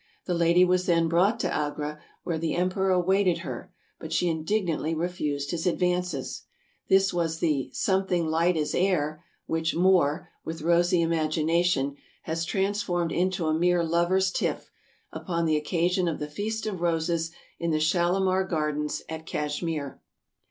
The lady was then brought to Agra, where the Emperor awaited her, but she indignantly refused his advances. This was the " something light as air " which Moore, with rosy im agination, has transformed into a mere lovers' tiff, upon the occasion of the Feast of Roses in the Shalimar Gardens at Cashmere.